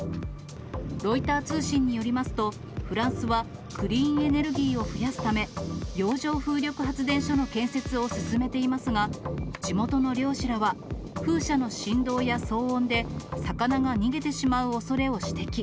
ロイター通信によりますと、フランスはクリーンエネルギーを増やすため、洋上風力発電所の建設を進めていますが、地元の漁師らは、風車の振動や騒音で、魚が逃げてしまうおそれを指摘。